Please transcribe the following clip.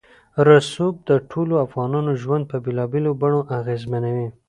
رسوب د ټولو افغانانو ژوند په بېلابېلو بڼو اغېزمنوي.